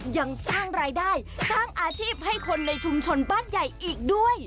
ยังสร้างรายได้สร้างอาชีพให้คนในชุมชนบ้านใหญ่อีกด้วย